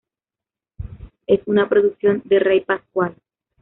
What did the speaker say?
Es una producción de Rey Pascual.